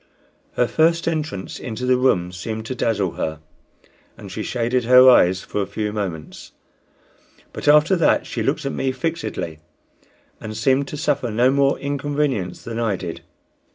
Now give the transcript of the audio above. Her first entrance into the room seemed to dazzle her, and she shaded her eyes for a few moments, but after that she looked at me fixedly, and seemed to suffer no more inconvenience than I did.